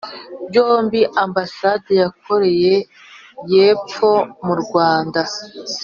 Byombi Ambasade ya Koreya y’Epfo mu Rwanda